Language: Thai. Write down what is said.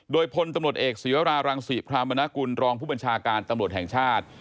โดยพลตำรวจเอกศีวรารังศรีพรามนากุลรองผู้บัญชาการตำรวจแห่งชาติ